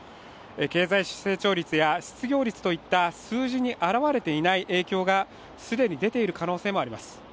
経済成長率や失業率といった数字に表れていない影響が既に出ている可能性もあります。